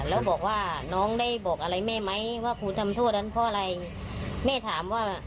แล้วบอกว่าน้องได้บอกอะไรแม่ไหมว่าครูทำโทษนั้นเพราะอะไรแม่ถามว่า